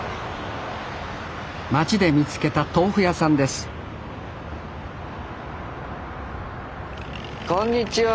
町で見つけた豆腐屋さんですこんにちは。